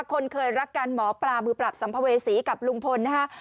คนเคยรักกันหมอปลามือปราบสัมภเวษีกับลุงพลนะฮะ